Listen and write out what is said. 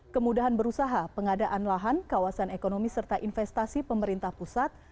kemudahan berusaha pengadaan lahan kawasan ekonomi serta investasi pemerintah pusat